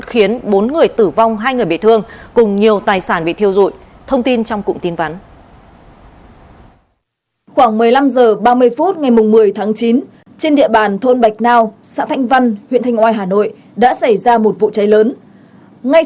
khoảng một mươi năm h ba mươi phút ngày một mươi tháng chín trên địa bàn thôn bạch nao xã thanh văn huyện thanh oai hà nội đã xảy ra một vụ cháy lớn